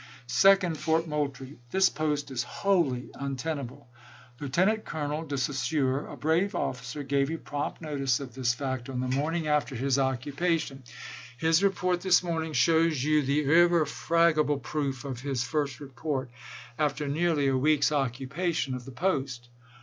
Second. Fort Moultrie : This post is wholly untenable. Lieutenant Colonel De Saussure, a brave officer, gave you prompt notice of this THE MILITARY SITUATION AT CHARLESTON 119 fact on the morning after his occupation. His report, chap. ix. this morning, shows you the irrefragable proof of his first report, after nearly a week's occupation of the post.